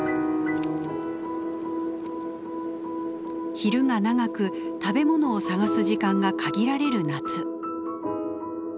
昼が長く食べ物を探す時間が限られる夏。